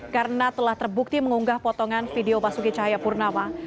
karena telah terbukti mengunggah potongan video basuki cahaya purnama